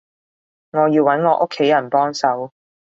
我要揾我屋企人幫手